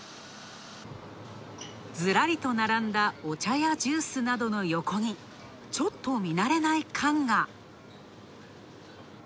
ずらりと並んだお茶やジュースの横にちょっと見慣れない缶が。